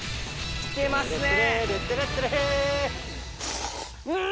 来てますね！